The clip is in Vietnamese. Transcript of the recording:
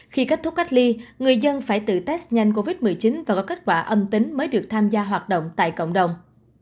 khi kết thúc cách ly người dân phải tự test nhanh covid một mươi chín và có kết quả âm tính mới được tham gia hoạt động tại cộng đồng